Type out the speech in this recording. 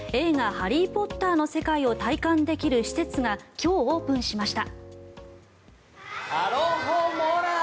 「ハリー・ポッター」の世界を体感できる施設が今日、オープンしました。